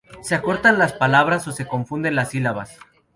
Se acortan las palabras o se confunden las sílabas.